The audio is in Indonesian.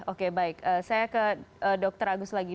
oke baik saya ke dr agus lagi